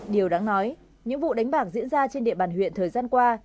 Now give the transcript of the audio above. điều đáng nói những vụ đánh bạc diễn ra trên địa bàn huyện thời gian qua